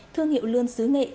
thương hiệu lươn xứ nghệ